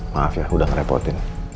maaf ya udah ngerepotin